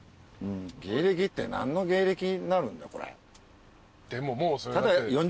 芸歴って何の芸歴になるんだこれ。